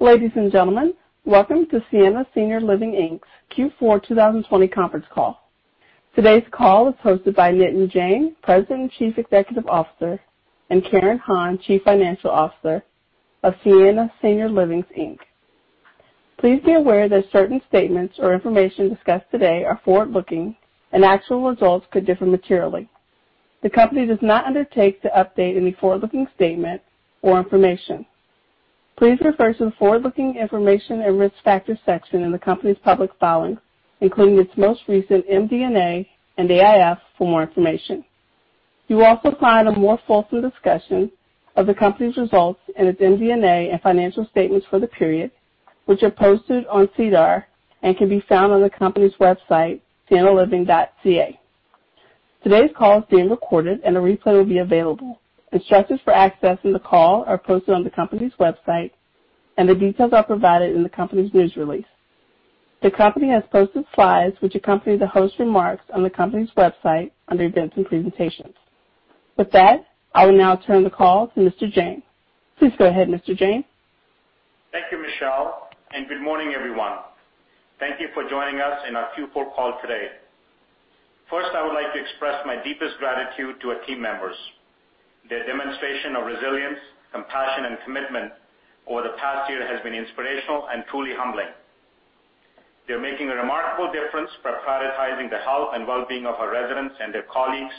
Ladies and gentlemen, welcome to Sienna Senior Living Inc's Q4 2020 Conference Call. Today's call is hosted by Nitin Jain, President and Chief Executive Officer, and Karen Hon, Chief Financial Officer of Sienna Senior Living Inc. Please be aware that certain statements or information discussed today are forward-looking and actual results could differ materially. The company does not undertake to update any forward-looking statement or information. Please refer to the forward-looking information and risk factors section in the company's public filings, including its most recent MD&A and AIF for more information. You will also find a more full discussion of the company's results in its MD&A and financial statements for the period, which are posted on SEDAR and can be found on the company's website, siennaliving.ca. Today's call is being recorded and a replay will be available. Instructions for accessing the call are posted on the company's website, and the details are provided in the company's news release. The company has posted slides which accompany the host remarks on the company's website under Events and Presentations. With that, I will now turn the call to Mr. Jain. Please go ahead, Mr. Jain. Thank you, Michelle, and good morning, everyone. Thank you for joining us in our Q4 call today. I would like to express my deepest gratitude to our team members. Their demonstration of resilience, compassion, and commitment over the past year has been inspirational and truly humbling. They're making a remarkable difference prioritizing the health and well-being of our residents and their colleagues,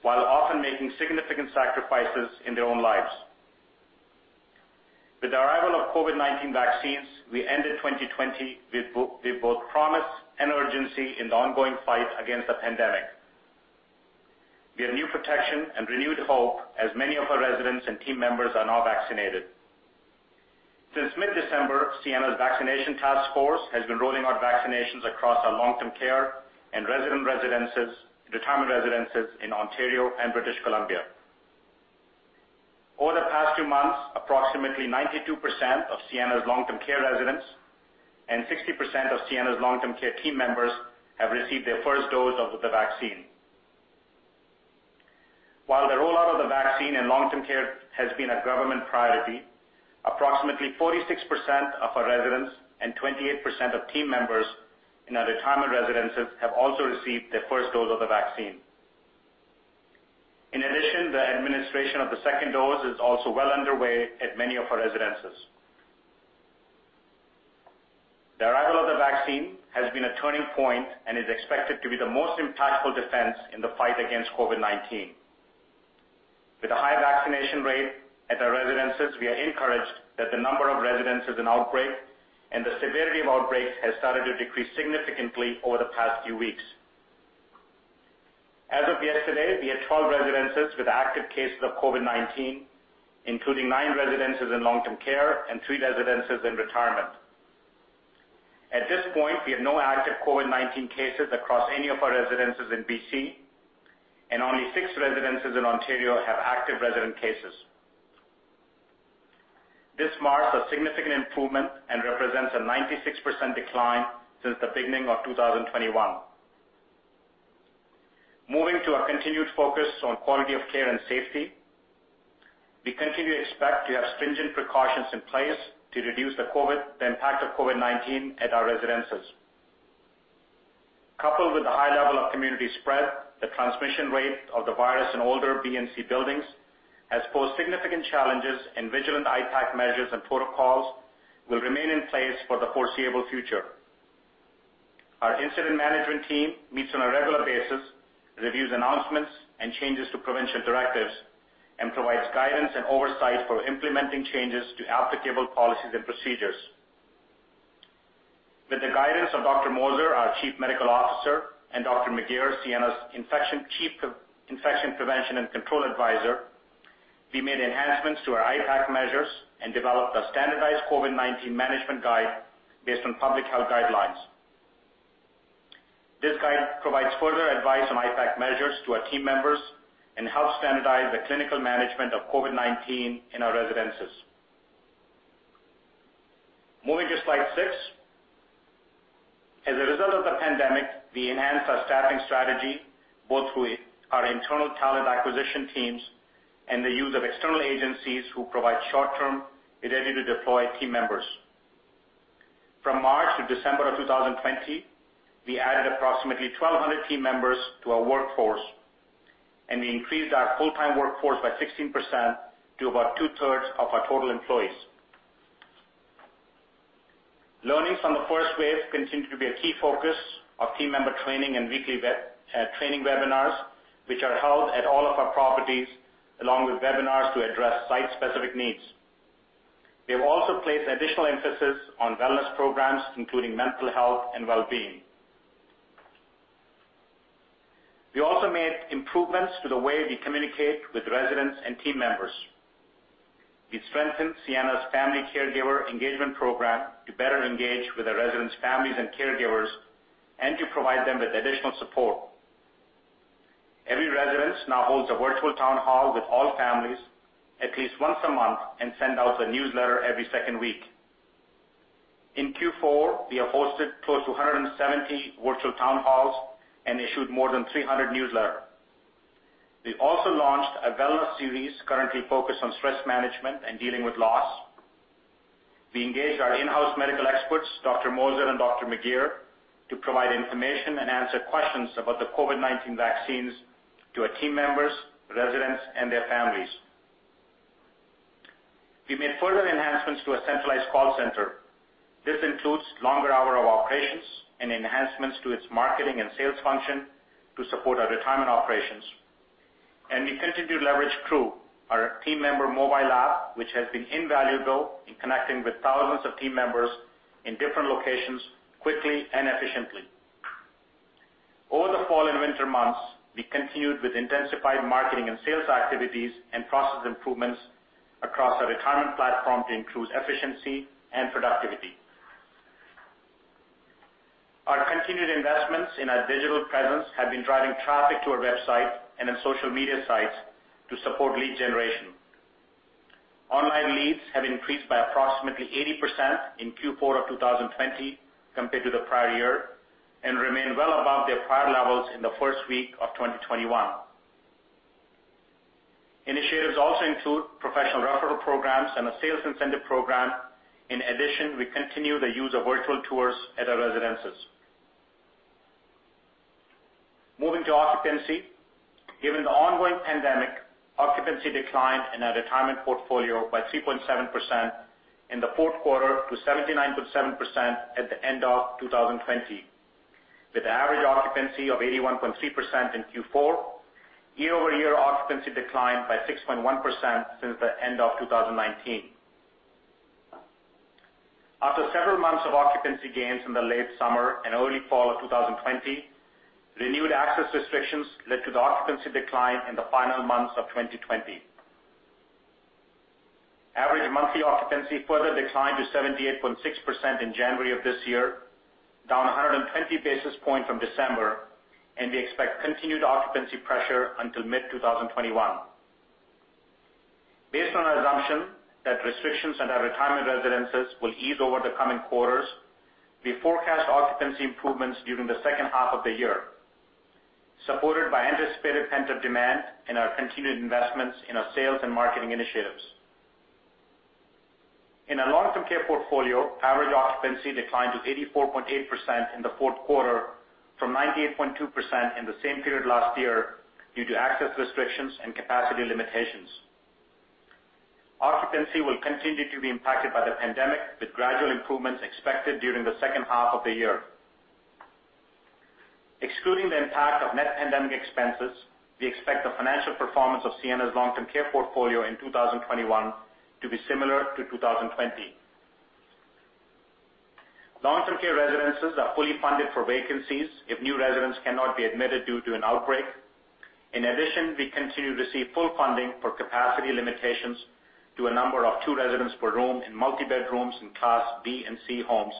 while often making significant sacrifices in their own lives. With the arrival of COVID-19 vaccines, we ended 2020 with both promise and urgency in the ongoing fight against the pandemic. We have new protection and renewed hope as many of our residents and team members are now vaccinated. Since mid-December, Sienna's Vaccination Task Force has been rolling out vaccinations across our long-term care and resident residences, retirement residences in Ontario and British Columbia. Over the past two months, approximately 92% of Sienna's long-term care residents and 60% of Sienna's long-term care team members have received their first dose of the vaccine. While the rollout of the vaccine in long-term care has been a government priority, approximately 46% of our residents and 28% of team members in our retirement residences have also received their first dose of the vaccine. In addition, the administration of the second dose is also well underway at many of our residences. The arrival of the vaccine has been a turning point and is expected to be the most impactful defense in the fight against COVID-19. With a high vaccination rate at our residences, we are encouraged that the number of residences in outbreak and the severity of outbreaks has started to decrease significantly over the past few weeks. As of yesterday, we had 12 residences with active cases of COVID-19, including nine residences in long-term care and three residences in retirement. At this point, we have no active COVID-19 cases across any of our residences in BC, and only six residences in Ontario have active resident cases. This marks a significant improvement and represents a 96% decline since the beginning of 2021. Moving to our continued focus on quality of care and safety, we continue to expect to have stringent precautions in place to reduce the impact of COVID-19 at our residences. Coupled with the high level of community spread, the transmission rate of the virus in older B and C buildings has posed significant challenges, and vigilant IPAC measures and protocols will remain in place for the foreseeable future. Our incident management team meets on a regular basis, reviews announcements and changes to provincial directives, and provides guidance and oversight for implementing changes to applicable policies and procedures. With the guidance of Dr. Moser, our Chief Medical Officer, and Dr. McGeer, Sienna's Chief Infection Prevention and Control Advisor, we made enhancements to our IPAC measures and developed a standardized COVID-19 management guide based on public health guidelines. This guide provides further advice on IPAC measures to our team members and helps standardize the clinical management of COVID-19 in our residences. Moving to slide six. As a result of the pandemic, we enhanced our staffing strategy, both with our internal talent acquisition teams and the use of external agencies who provide short-term, ready-to-deploy team members. From March to December of 2020, we added approximately 1,200 team members to our workforce, and we increased our full-time workforce by 16% to about two-thirds of our total employees. Learnings from the first wave continue to be a key focus of team member training and weekly training webinars, which are held at all of our properties, along with webinars to address site-specific needs. We have also placed additional emphasis on wellness programs, including mental health and well-being. We also made improvements to the way we communicate with residents and team members. We strengthened Sienna's Family Caregiver Engagement Program to better engage with the residents' families and caregivers and to provide them with additional support. Every residence now holds a virtual town hall with all families at least once a month and send out a newsletter every second week. In Q4, we have hosted close to 170 virtual town halls and issued more than 300 newsletters. We also launched a wellness series currently focused on stress management and dealing with loss. We engaged our in-house medical experts, Dr. Moser and Dr. McGeer, to provide information and answer questions about the COVID-19 vaccines to our team members, residents, and their families. We made further enhancements to a centralized call center. This includes longer hours of operations and enhancements to its marketing and sales function to support our retirement operations. We continued to leverage Crew, our team member mobile app, which has been invaluable in connecting with thousands of team members in different locations quickly and efficiently. Over the fall and winter months, we continued with intensified marketing and sales activities and process improvements across our retirement platform to improve efficiency and productivity. Our continued investments in our digital presence have been driving traffic to our website and on social media sites to support lead generation. Online leads have increased by approximately 80% in Q4 of 2020 compared to the prior year and remain well above their prior levels in the first week of 2021. Initiatives also include professional referral programs and a sales incentive program. In addition, we continue the use of virtual tours at our residences. Moving to occupancy. Given the ongoing pandemic, occupancy declined in our retirement portfolio by 3.7% in the fourth quarter to 79.7% at the end of 2020, with average occupancy of 81.3% in Q4. Year-over-year occupancy declined by 6.1% since the end of 2019. After several months of occupancy gains in the late summer and early fall of 2020, renewed access restrictions led to the occupancy decline in the final months of 2020. Average monthly occupancy further declined to 78.6% in January of this year, down 120 basis points from December. We expect continued occupancy pressure until mid-2021. Based on our assumption that restrictions at our retirement residences will ease over the coming quarters, we forecast occupancy improvements during the second half of the year, supported by anticipated pent-up demand and our continued investments in our sales and marketing initiatives. In our long-term care portfolio, average occupancy declined to 84.8% in the fourth quarter from 98.2% in the same period last year due to access restrictions and capacity limitations. Occupancy will continue to be impacted by the pandemic, with gradual improvements expected during the second half of the year. Excluding the impact of net pandemic expenses, we expect the financial performance of Sienna's long-term care portfolio in 2021 to be similar to 2020. Long-term care residences are fully funded for vacancies if new residents cannot be admitted due to an outbreak. In addition, we continue to receive full funding for capacity limitations to a number of two residents per room in multi-bed rooms in Class B and C homes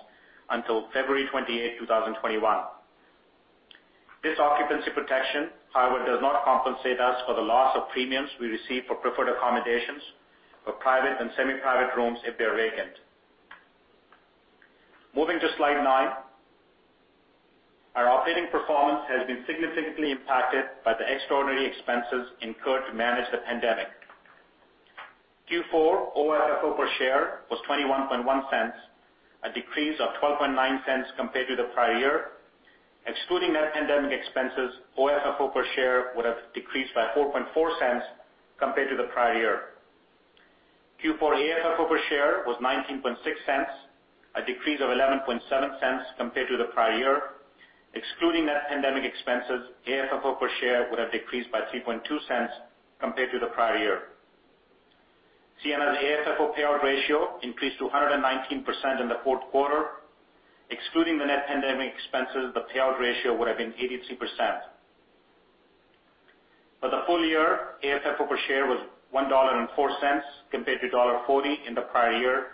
until February 28, 2021. This occupancy protection, however, does not compensate us for the loss of premiums we receive for preferred accommodations for private and semi-private rooms if they're vacant. Moving to slide nine. Our operating performance has been significantly impacted by the extraordinary expenses incurred to manage the pandemic. Q4 OFFO per share was 0.211, a decrease of 0.129 compared to the prior year. Excluding net pandemic expenses, OFFO per share would have decreased by 0.044 compared to the prior year. Q4 AFFO per share was 0.196, a decrease of 0.117 compared to the prior year. Excluding net pandemic expenses, AFFO per share would have decreased by 0.032 compared to the prior year. Sienna's AFFO payout ratio increased to 119% in the fourth quarter. Excluding the net pandemic expenses, the payout ratio would have been 83%. For the full year, AFFO per share was 1.04 dollar compared to dollar 1.40 in the prior year,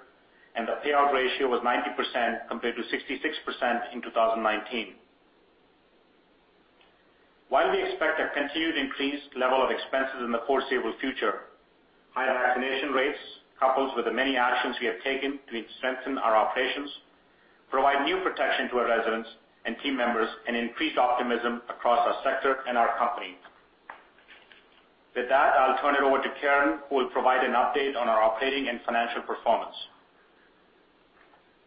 and the payout ratio was 90% compared to 66% in 2019. While we expect a continued increased level of expenses in the foreseeable future, high vaccination rates, coupled with the many actions we have taken to strengthen our operations, provide new protection to our residents and team members and increase optimism across our sector and our company. With that, I'll turn it over to Karen, who will provide an update on our operating and financial performance.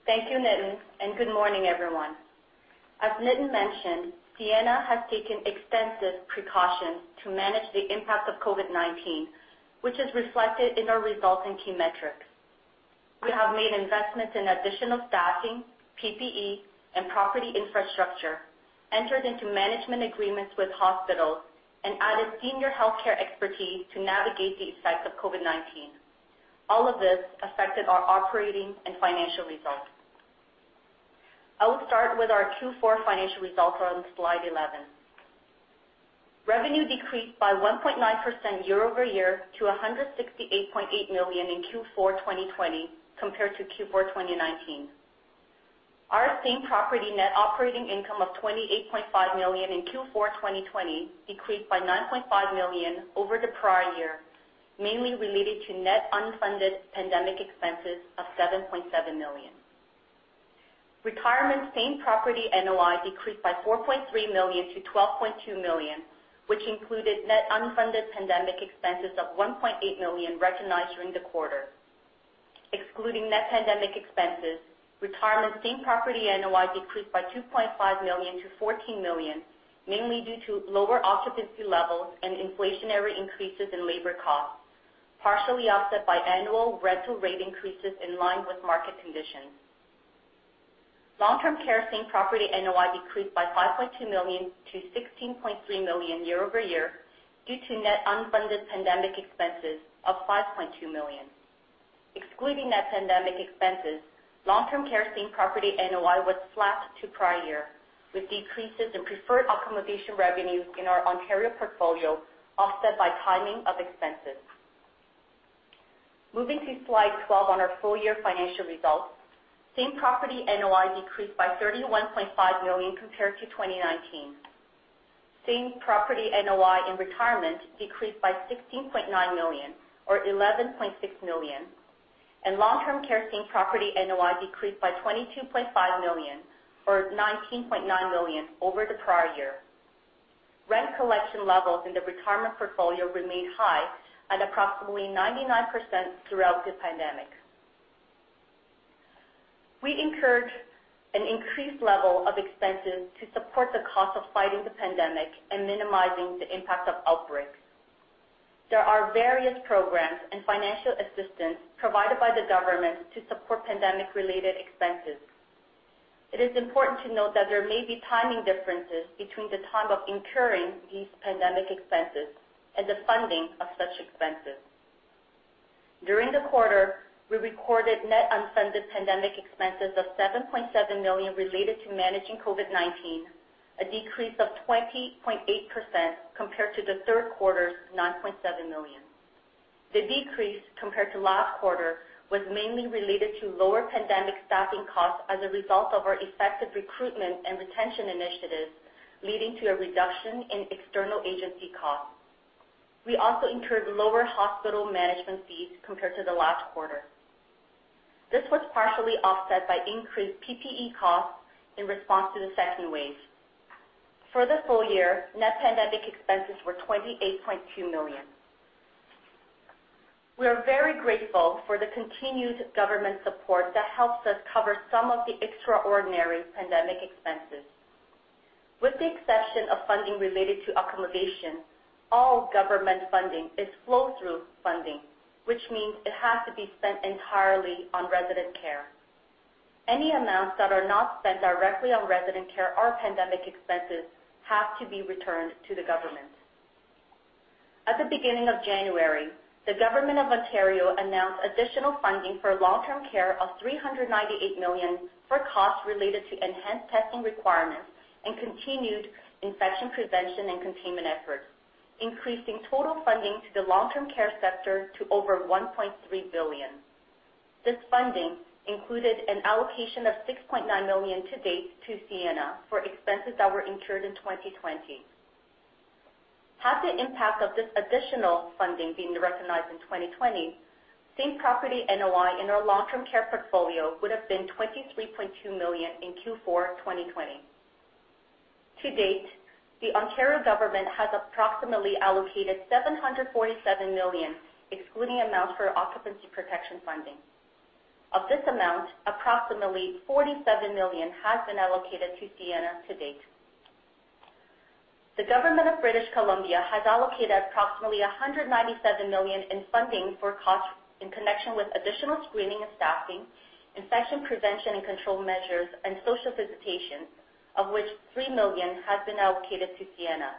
Thank you, Nitin, and good morning, everyone. As Nitin mentioned, Sienna has taken extensive precautions to manage the impact of COVID-19, which is reflected in our results and key metrics. We have made investments in additional staffing, PPE, and property infrastructure, entered into management agreements with hospitals, and added senior healthcare expertise to navigate the effects of COVID-19. All of this affected our operating and financial results. I will start with our Q4 financial results on Slide 11. Revenue decreased by 1.9% year-over-year to 168.8 million in Q4 2020 compared to Q4 2019. Our same-property net operating income of 28.5 million in Q4 2020 decreased by 9.5 million over the prior year, mainly related to net unfunded pandemic expenses of 7.7 million. Retirement same-property NOI decreased by 4.3 million to 12.2 million, which included net unfunded pandemic expenses of 1.8 million recognized during the quarter. Excluding net pandemic expenses, retirement same-property NOI decreased by 2.5 million to 14 million, mainly due to lower occupancy levels and inflationary increases in labor costs, partially offset by annual rental rate increases in line with market conditions. Long-term care same-property NOI decreased by 5.2 million to 16.3 million year-over-year due to net unfunded pandemic expenses of 5.2 million. Excluding net pandemic expenses, long-term care same-property NOI was flat to prior year, with decreases in preferred accommodation revenues in our Ontario portfolio offset by timing of expenses. Moving to slide 12 on our full-year financial results. Same-property NOI decreased by 31.5 million compared to 2019. Same-property NOI in retirement decreased by 16.9 million or 11.6 million, and long-term care same-property NOI decreased by 22.5 million or 19.9 million over the prior year. Rent collection levels in the retirement portfolio remained high at approximately 99% throughout the pandemic. We incurred an increased level of expenses to support the cost of fighting the pandemic and minimizing the impact of outbreaks. There are various programs and financial assistance provided by the government to support pandemic-related expenses. It is important to note that there may be timing differences between the time of incurring these pandemic expenses and the funding of such expenses. During the quarter, we recorded net unfunded pandemic expenses of 7.7 million related to managing COVID-19, a decrease of 20.8% compared to the third quarter's 9.7 million. The decrease compared to last quarter was mainly related to lower pandemic staffing costs as a result of our effective recruitment and retention initiatives, leading to a reduction in external agency costs. We also incurred lower hospital management fees compared to the last quarter. This was partially offset by increased PPE costs in response to the second wave. For the full year, net pandemic expenses were 28.2 million. We are very grateful for the continued government support that helps us cover some of the extraordinary pandemic expenses. With the exception of funding related to accommodation, all government funding is flow-through funding, which means it has to be spent entirely on resident care. Any amounts that are not spent directly on resident care or pandemic expenses have to be returned to the government. At the beginning of January, the Government of Ontario announced additional funding for long-term care of 398 million for costs related to enhanced testing requirements and continued infection prevention and containment efforts, increasing total funding to the long-term care sector to over 1.3 billion. This funding included an allocation of 6.9 million to date to Sienna for expenses that were incurred in 2020. Had the impact of this additional funding been recognized in 2020, same-property NOI in our long-term care portfolio would have been 23.2 million in Q4 2020. To date, the Government of Ontario has approximately allocated 747 million, excluding amounts for occupancy protection funding. Of this amount, approximately 47 million has been allocated to Sienna to date. The government of British Columbia has allocated approximately 197 million in funding for costs in connection with additional screening and staffing, infection prevention and control measures, and social visitation, of which 3 million has been allocated to Sienna.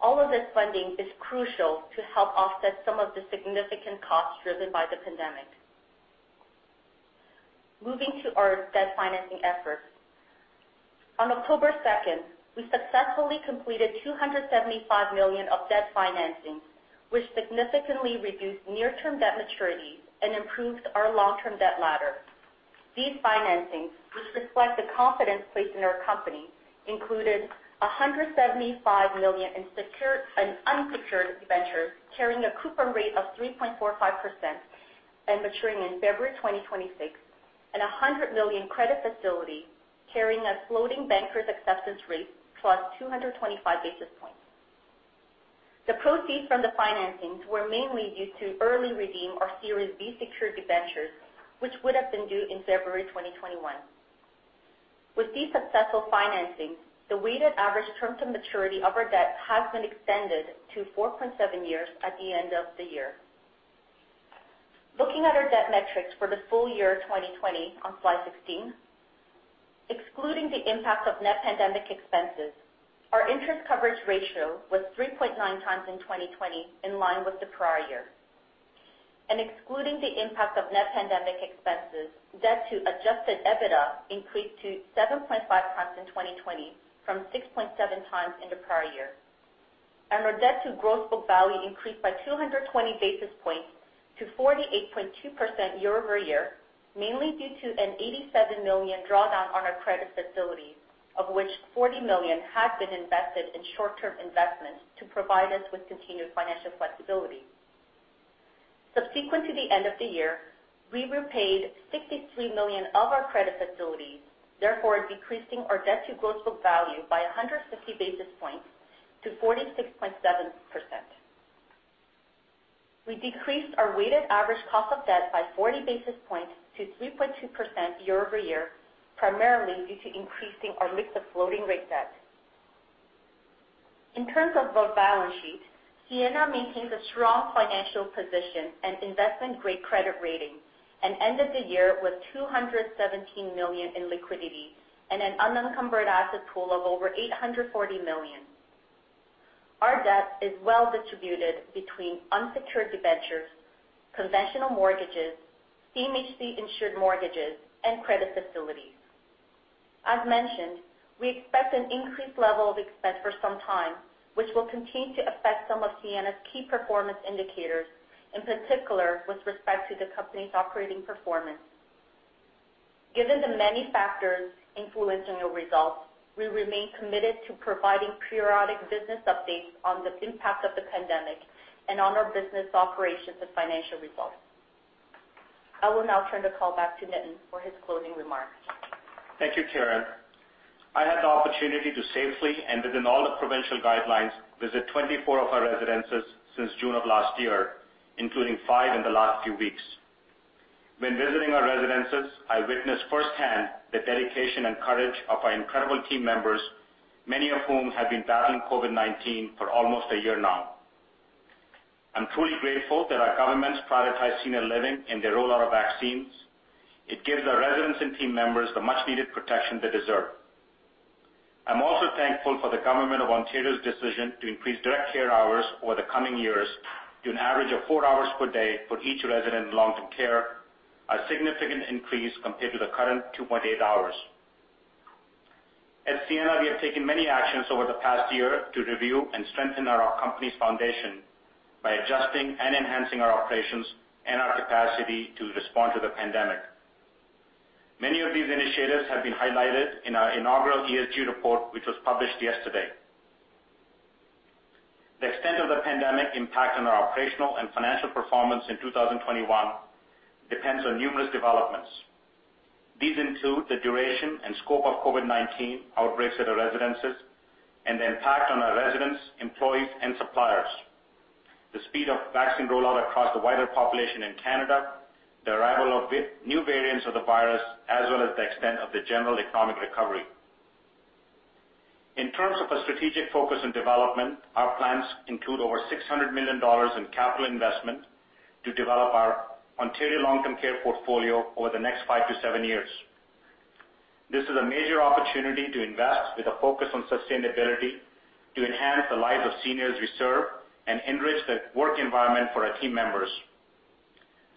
All of this funding is crucial to help offset some of the significant costs driven by the pandemic. Moving to our debt financing efforts. On October 2nd, we successfully completed 275 million of debt financing, which significantly reduced near-term debt maturities and improved our long-term debt ladder. These financings, which reflect the confidence placed in our company, included 175 million in unsecured debentures carrying a coupon rate of 3.45% and maturing in February 2026, and 100 million credit facility carrying a floating Bankers' Acceptances rate plus 225 basis points. The proceeds from the financings were mainly used to early redeem our Series B secured debentures, which would have been due in February 2021. With these successful financings, the weighted average term to maturity of our debt has been extended to 4.7 years at the end of the year. Looking at our debt metrics for the full year 2020 on slide 16. Excluding the impact of net pandemic expenses, our interest coverage ratio was 3.9x in 2020, in line with the prior year. Excluding the impact of net pandemic expenses, debt to adjusted EBITDA increased to 7.5x in 2020 from 6.7 times in the prior year. Our debt to gross book value increased by 220 basis points to 48.2% year-over-year, mainly due to a 87 million drawdown on our credit facility, of which 40 million has been invested in short-term investments to provide us with continued financial flexibility. Subsequent to the end of the year, we repaid 63 million of our credit facility, therefore decreasing our debt to gross book value by 150 basis points to 46.7%. We decreased our weighted average cost of debt by 40 basis points to 3.2% year-over-year, primarily due to increasing our mix of floating rate debt. In terms of our balance sheet, Sienna maintains a strong financial position and investment-grade credit rating and ended the year with 217 million in liquidity and an unencumbered asset pool of over 840 million. Our debt is well distributed between unsecured debentures, conventional mortgages, CMHC-insured mortgages, and credit facilities. As mentioned, we expect an increased level of expense for some time, which will continue to affect some of Sienna's key performance indicators, in particular, with respect to the company's operating performance. Given the many factors influencing our results, we remain committed to providing periodic business updates on the impact of the pandemic and on our business operations and financial results. I will now turn the call back to Nitin for his closing remarks. Thank you, Karen. I had the opportunity to safely, and within all the provincial guidelines, visit 24 of our residences since June of last year, including five in the last few weeks. When visiting our residences, I witnessed firsthand the dedication and courage of our incredible team members, many of whom have been battling COVID-19 for almost one year now. I'm truly grateful that our governments prioritize senior living in their rollout of vaccines. It gives our residents and team members the much-needed protection they deserve. I'm also thankful for the Government of Ontario's decision to increase direct care hours over the coming years to an average of four hours per day for each resident in long-term care, a significant increase compared to the current 2.8 hours. At Sienna, we have taken many actions over the past year to review and strengthen our company's foundation by adjusting and enhancing our operations and our capacity to respond to the pandemic. Many of these initiatives have been highlighted in our inaugural ESG report, which was published yesterday. The extent of the pandemic impact on our operational and financial performance in 2021 depends on numerous developments. These include the duration and scope of COVID-19 outbreaks at our residences and the impact on our residents, employees, and suppliers, the speed of vaccine rollout across the wider population in Canada, the arrival of new variants of the virus, as well as the extent of the general economic recovery. In terms of a strategic focus on development, our plans include over 600 million dollars in capital investment to develop our Ontario long-term care portfolio over the next five to seven years. This is a major opportunity to invest with a focus on sustainability to enhance the lives of seniors we serve and enrich the work environment for our team members.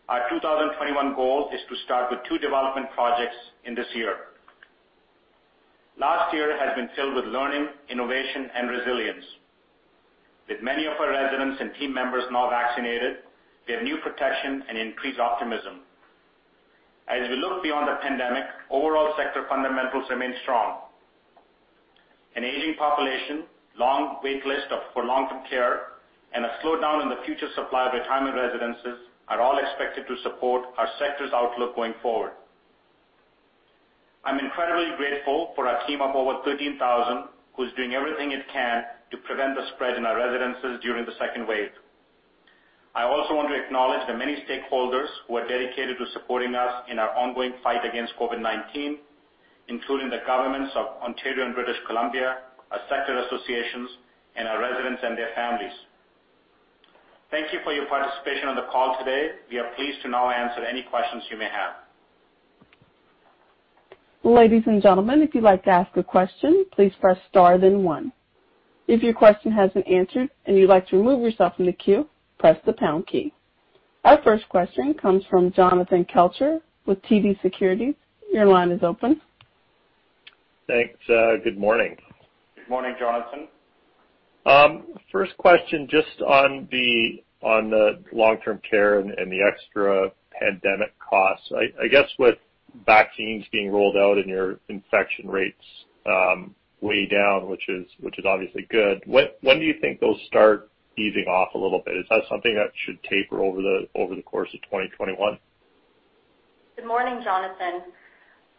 Our 2021 goal is to start with two development projects in this year. Last year has been filled with learning, innovation, and resilience. With many of our residents and team members now vaccinated, we have new protection and increased optimism. As we look beyond the pandemic, overall sector fundamentals remain strong. An aging population, long wait list for long-term care, and a slowdown in the future supply of retirement residences are all expected to support our sector's outlook going forward. I'm incredibly grateful for our team of over 13,000 who's doing everything it can to prevent the spread in our residences during the second wave. I also want to acknowledge the many stakeholders who are dedicated to supporting us in our ongoing fight against COVID-19, including the Governments of Ontario and British Columbia, our sector associations, and our residents and their families. Thank you for your participation on the call today. We are pleased to now answer any questions you may have. Ladies and gentlemen, if you would like to ask a question, please press star, then one. If your question has been answered, and you'd like to remove yourself from the queue, press the pound key. Our first question comes from Jonathan Kelcher with TD Securities. Your line is open. Thanks. Good morning. Good morning, Jonathan. First question, just on the long-term care and the extra pandemic costs. I guess with vaccines being rolled out and your infection rates way down, which is obviously good, when do you think those start easing off a little bit? Is that something that should taper over the course of 2021? Good morning, Jonathan.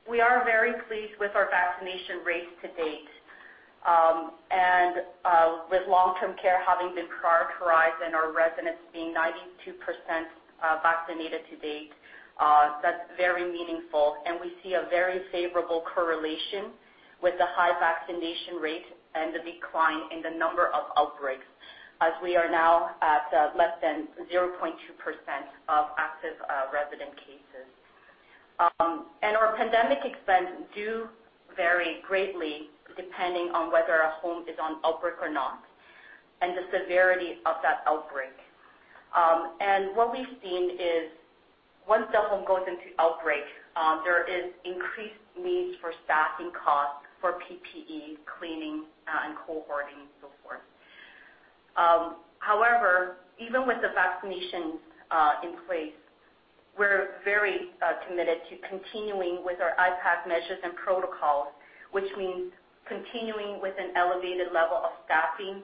We are very pleased with our vaccination rates to date. With long-term care having been prioritized and our residents being 92% vaccinated to date, that's very meaningful, and we see a very favorable correlation with the high vaccination rate and the decline in the number of outbreaks as we are now at less than 0.2% of active resident cases. Our pandemic expense do vary greatly depending on whether a home is on outbreak or not, and the severity of that outbreak. What we've seen is once the home goes into outbreak, there is increased needs for staffing costs, for PPE, cleaning, and cohorting, and so forth. However, even with the vaccinations in place, we're very committed to continuing with our IPAC measures and protocols, which means continuing with an elevated level of staffing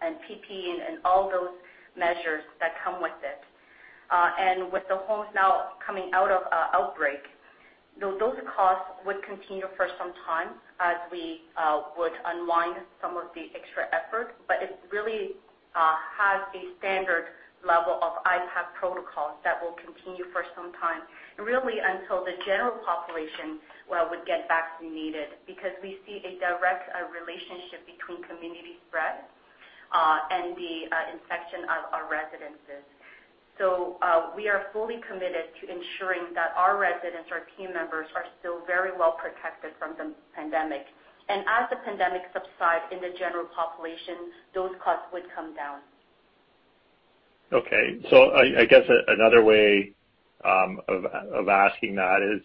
and PPE and all those measures that come with it. With the homes now coming out of outbreak, those costs would continue for some time as we would unwind some of the extra effort, but it really has a standard level of IPAC protocols that will continue for some time, really until the general population would get vaccinated, because we see a direct relationship between community spread and the infection of our residences. We are fully committed to ensuring that our residents, our team members, are still very well protected from the pandemic. As the pandemic subsides in the general population, those costs would come down. Okay. I guess another way of asking that is,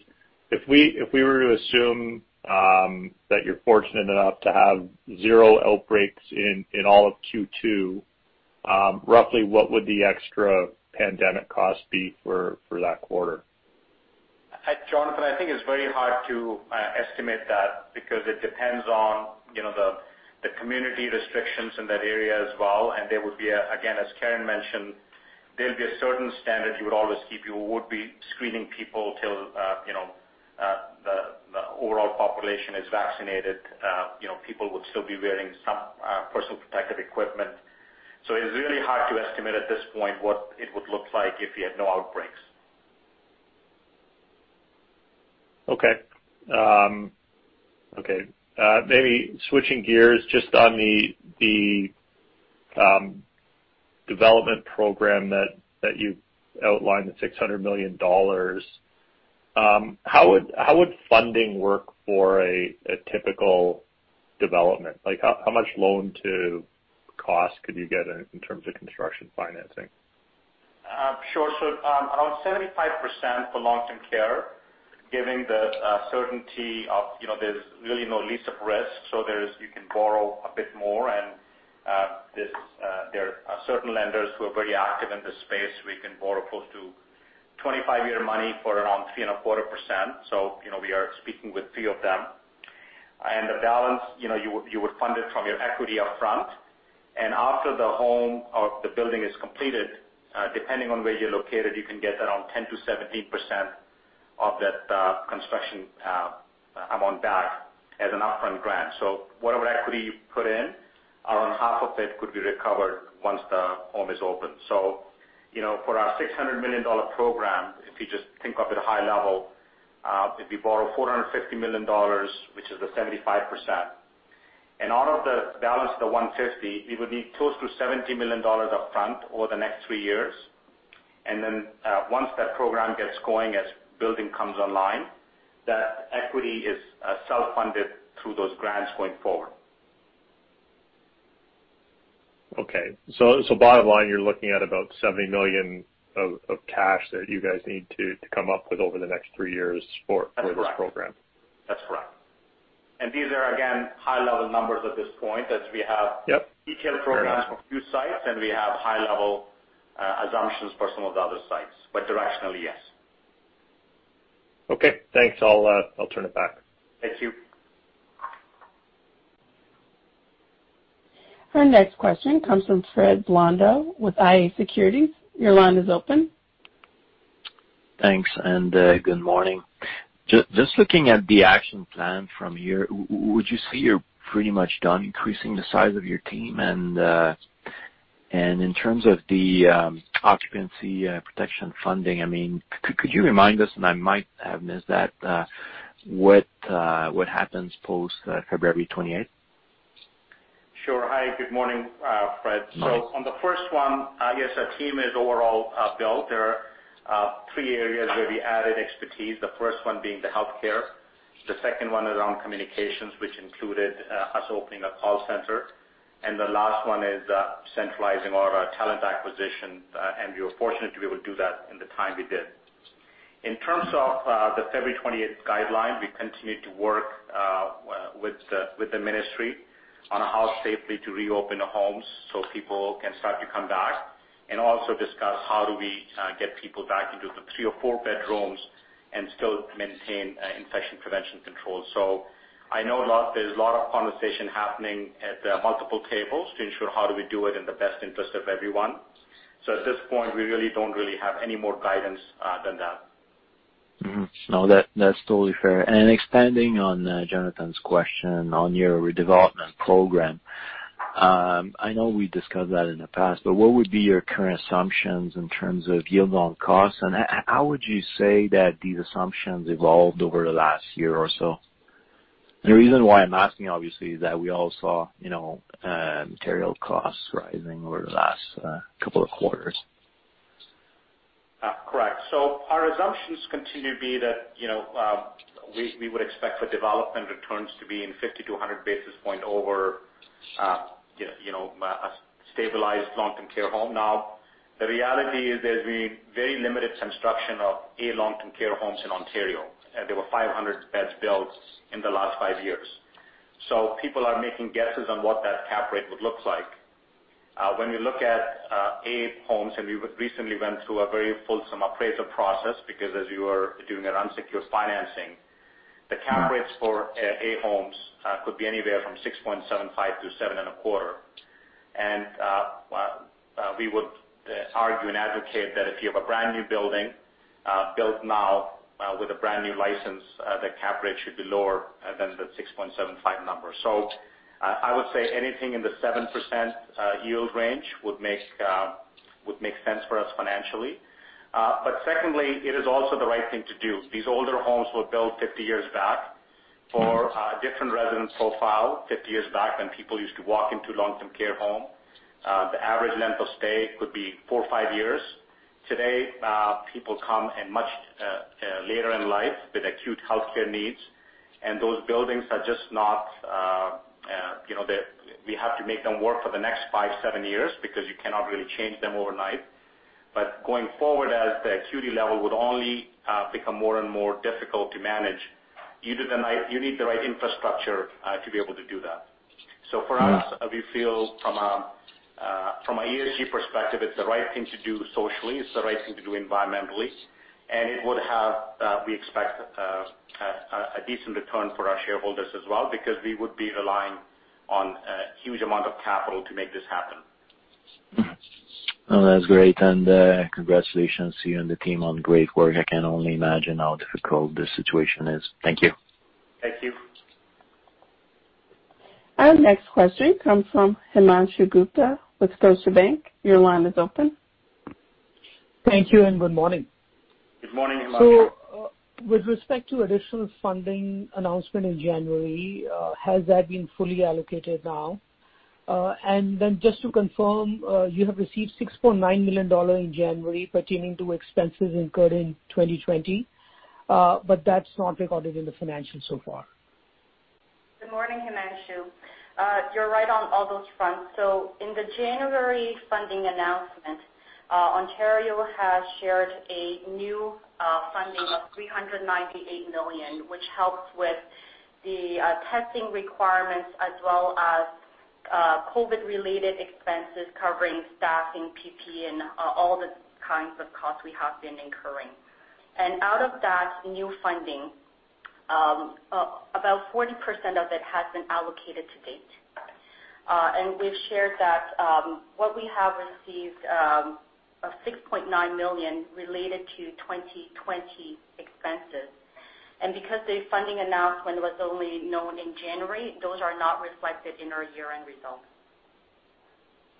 if we were to assume that you're fortunate enough to have zero outbreaks in all of Q2, roughly what would the extra pandemic cost be for that quarter? Jonathan, I think it's very hard to estimate that because it depends on the community restrictions in that area as well. There would be, again, as Karen mentioned, there'll be a certain standard you would always keep. You would be screening people till the overall population is vaccinated. People would still be wearing some personal protective equipment. It's really hard to estimate at this point what it would look like if we had no outbreaks. Maybe switching gears, just on the development program that you outlined, the 600 million dollars. How would funding work for a typical development? How much loan to cost could you get in terms of construction financing? Sure. Around 75% for long-term care, given the certainty of- there's really no lease-up risk- so, you can borrow a bit more, and there are certain lenders who are very active in this space, where you can borrow close to 25-year money for around 3.25%. We are speaking with three of them. The balance, you would fund it from your equity up front. After the home or the building is completed, depending on where you're located, you can get around 10%-17% of that construction amount back as an upfront grant. Whatever equity you put in, around half of it could be recovered once the home is open. For our 600 million dollar program, if you just think of it high level, if you borrow 450 million dollars, which is the 75%, out of the balance of the 150, we would need close to 70 million dollars upfront over the next three years. Once that program gets going, as building comes online, that equity is self-funded through those grants going forward. Bottom line, you're looking at about 70 million of cash that you guys need to come up with over the next three years for this program. That's correct. These are, again, high-level numbers at this point, we have detailed programs for a few sites, and we have high-level assumptions for some of the other sites. Directionally, yes. Okay, thanks. I'll turn it back. Thank you. Our next question comes from Fréd Blondeau with iA Securities. Your line is open. Thanks, good morning. Just looking at the action plan from here, would you say you're pretty much done increasing the size of your team? In terms of the occupancy protection funding, could you remind us, and I might have missed that, what happens post February 28th? Sure. Hi, good morning, Fred. On the first one, yes, our team is overall built. There are three areas where we added expertise- the first one being the healthcare, the second one around communications, which included us opening a call center, and the last one is centralizing all of our talent acquisition, and we were fortunate to be able to do that in the time we did. In terms of the February 28th guideline, we continue to work with the Ministry on how safely to reopen the homes so people can start to come back, and also discuss how do we get people back into the three or four bedrooms and still maintain Infection Prevention and Control. I know there's a lot of conversation happening at multiple tables to ensure how do we do it in the best interest of everyone. At this point, we really don't really have any more guidance than that. No, that's totally fair. Expanding on Jonathan's question on your redevelopment program. I know we discussed that in the past, but what would be your current assumptions in terms of yield on costs, and how would you say that these assumptions evolved over the last year or so? The reason why I'm asking, obviously, is that we all saw material costs rising over the last couple of quarters. Correct. Our assumptions continue to be that we would expect for development returns to be in 50 to 100 basis point over a stabilized long-term care home. The reality is there's been very limited construction of A long-term care homes in Ontario. There were 500 beds built in the last five years. People are making guesses on what that cap rate would look like. When we look at A homes, and we recently went through a very fulsome appraisal process, because as you were doing an unsecured financing, the cap rates for A homes could be anywhere from 6.75 to 7.25. We would argue and advocate that if you have a brand-new building, built now, with a brand-new license, the cap rate should be lower than the 6.75 number. I would say anything in the 7% yield range would make sense for us financially. Secondly, it is also the right thing to do. These older homes were built 50 years back for a different resident profile. 50 years back when people used to walk into long-term care home, the average length of stay could be four or five years. Today, people come in much later in life with acute healthcare needs, and those buildings, we have to make them work for the next five, seven years because you cannot really change them overnight. Going forward as the acuity level would only become more and more difficult to manage, you need the right infrastructure to be able to do that. For us, we feel from a ESG perspective, it's the right thing to do socially, it's the right thing to do environmentally, and we expect a decent return for our shareholders as well because we would be relying on a huge amount of capital to make this happen. Well, that's great. Congratulations to you and the team on great work. I can only imagine how difficult this situation is. Thank you. Thank you. Our next question comes from Himanshu Gupta with Scotiabank. Your line is open. Thank you and good morning. Good morning, Himanshu. With respect to additional funding announcement in January, has that been fully allocated now? Just to confirm, you have received 6.9 million dollars in January pertaining to expenses incurred in 2020, but that's not recorded in the financials so far. Good morning, Himanshu. You're right on all those fronts. In the January funding announcement, Ontario has shared a new funding of 398 million, which helps with the testing requirements as well as COVID-19 related expenses covering staffing, PPE, and all the kinds of costs we have been incurring. Out of that new funding, about 40% of it has been allocated to date. We've shared that, what we have received, of 6.9 million related to 2020 expenses. Because the funding announcement was only known in January, those are not reflected in our year-end results.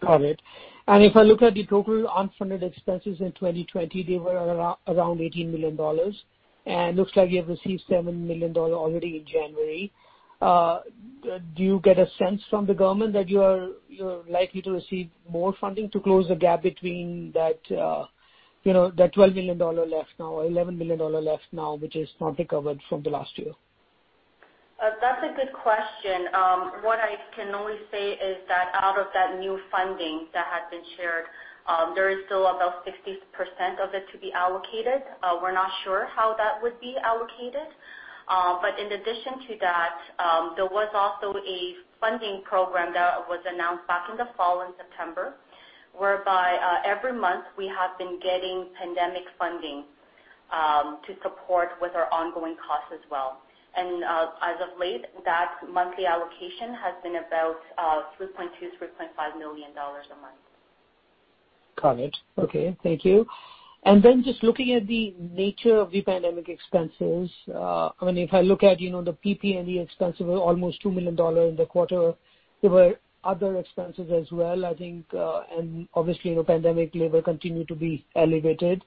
Got it. If I look at the total unfunded expenses in 2020, they were around 18 million dollars. Looks like you have received 7 million dollars already in January. Do you get a sense from the government that you're likely to receive more funding to close the gap between that 12 million dollar left now or 11 million dollar left now, which is not recovered from the last year? That's a good question. What I can only say is that out of that new funding that has been shared, there is still about 60% of it to be allocated- we're not sure how that would be allocated. In addition to that, there was also a funding program that was announced back in the fall in September, whereby, every month we have been getting pandemic funding to support with our ongoing costs as well. As of late, that monthly allocation has been about 3.2 million, 3.5 million dollars a month. Got it. Okay. Thank you. Just looking at the nature of the pandemic expenses. If I look at the PPE and the expenses were almost 2 million dollars in the quarter. There were other expenses as well, I think, and obviously in a pandemic labor continue to be elevated.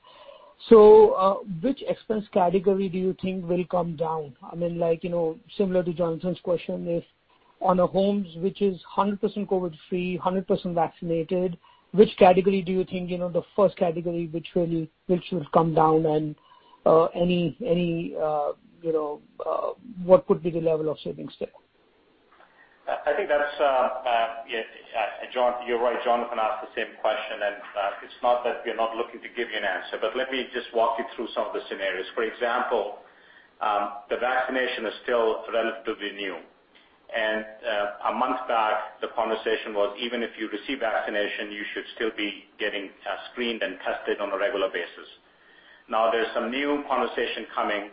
Which expense category do you think will come down? Similar to Jonathan's question, if on a homes which is 100% COVID-free, 100% vaccinated, which category do you think, the first category which should come down and what could be the level of savings there? You're right. Jonathan asked the same question. It's not that we're not looking to give you an answer. Let me just walk you through some of the scenarios. For example, the vaccination is still relatively new. A month back, the conversation was, even if you receive vaccination, you should still be getting screened and tested on a regular basis. Now, there's some new conversation coming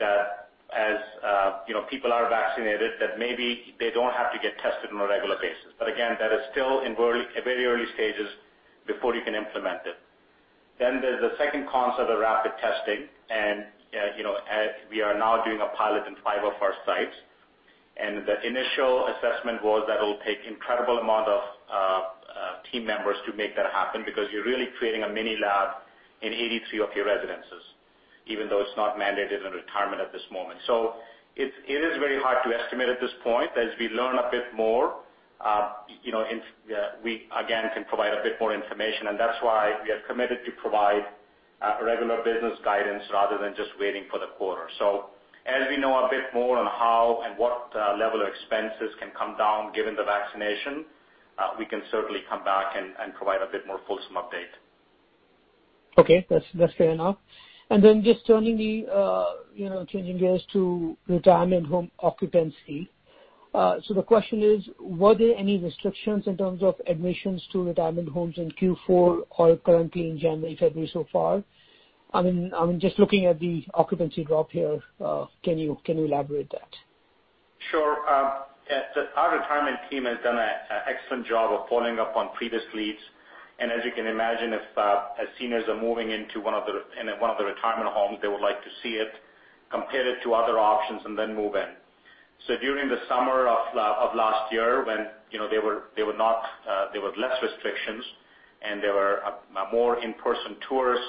that as people are vaccinated, that maybe they don't have to get tested on a regular basis. Again, that is still in very early stages before you can implement it. There's the second concept of rapid testing. We are now doing a pilot in five of our sites. The initial assessment was that it'll take incredible amount of team members to make that happen because you're really creating a mini lab in 83 of your residences- even though it's not mandated in retirement at this moment. It is very hard to estimate at this point- as we learn a bit more, we again can provide a bit more information, and that's why we are committed to provide regular business guidance rather than just waiting for the quarter. As we know a bit more on how and what level of expenses can come down, given the vaccination, we can certainly come back and provide a bit more fulsome update. Okay. That's fair enough. Just changing gears to retirement home occupancy. The question is, were there any restrictions in terms of admissions to retirement homes in Q4 or currently in January, February so far? I mean, just looking at the occupancy drop here, can you elaborate on that? Sure. Our retirement team has done an excellent job of following up on previous leads. As you can imagine, as seniors are moving into one of the retirement homes, they would like to see it, compare it to other options, and then move in. During the summer of last year, when there were less restrictions and there were more in-person tours,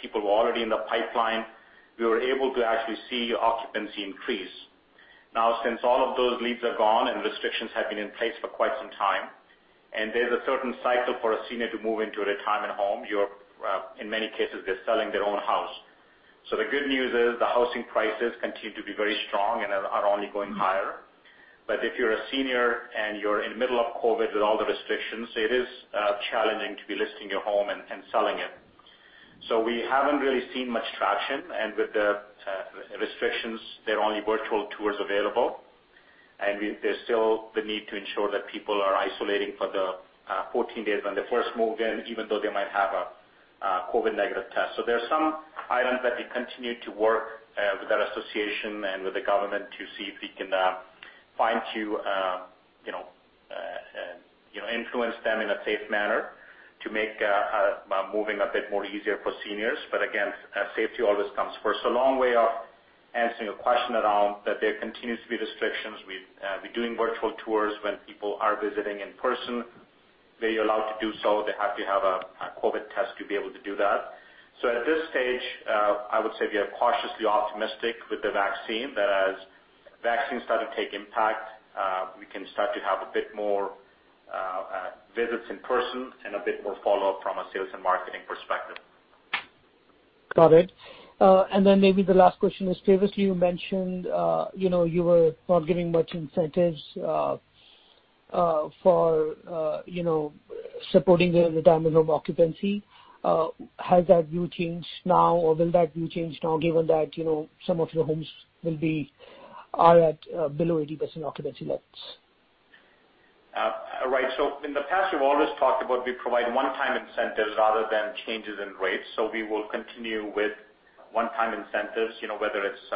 people were already in the pipeline. We were able to actually see occupancy increase. Since all of those leads are gone and restrictions have been in place for quite some time, and there's a certain cycle for a senior to move into a retirement home. In many cases, they're selling their own house. The good news is the housing prices continue to be very strong and are only going higher. If you're a senior and you're in the middle of COVID with all the restrictions, it is challenging to be listing your home and selling it. We haven't really seen much traction, and with the restrictions, there are only virtual tours available, and there's still the need to ensure that people are isolating for the 14 days when they first move in, even though they might have a COVID negative test. There are some items that we continue to work with our association and with the government to see if we can find to influence them in a safe manner to make moving a bit more easier for seniors. Again, safety always comes first. Long way of answering your question around that, there continues to be restrictions. We're doing virtual tours. When people are visiting in person, they are allowed to do so. They have to have a COVID test to be able to do that. At this stage, I would say we are cautiously optimistic with the vaccine, that as vaccines start to take impact, we can start to have a bit more visits in person and a bit more follow-up from a sales and marketing perspective. Got it. Maybe the last question is, previously you mentioned you were not giving much incentives for supporting the retirement home occupancy. Has that view changed now, or will that view change now, given that some of your homes are at below 80% occupancy levels? Right. In the past, we've always talked about we provide one-time incentives rather than changes in rates. We will continue with one-time incentives, whether it's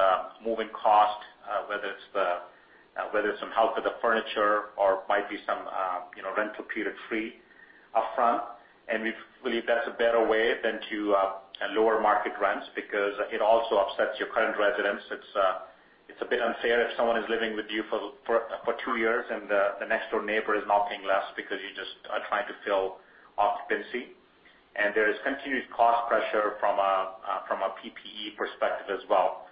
moving cost, whether it's some help with the furniture, or might be some rental period free up front. We believe that's a better way than to lower market rents, because it also upsets your current residents. It's a bit unfair if someone is living with you for two years and the next door neighbor is now paying less because you just are trying to fill occupancy. There is continued cost pressure from a PPE perspective as well.